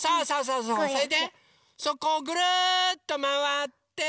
それでそこをぐるっとまわって。